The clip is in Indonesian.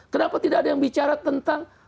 kenapa tidak ada yang bicara tentang